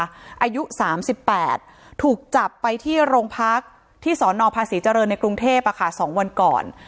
อายุ๓๘ถูกจับไปที่โรงพักที่สนภาษีเจริญในกรุงเทพ๒วันก่อน